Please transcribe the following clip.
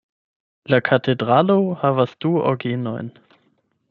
La katedralo havas du orgenojn.